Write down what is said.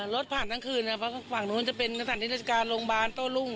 รถผ่านทั้งคืนฝั่งโน้นจะเป็นขนาดที่ราชการโรงบาลโต้ลุ่ง